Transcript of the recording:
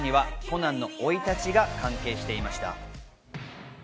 こうした歌詞にはコナンの生い立ちが関係していました。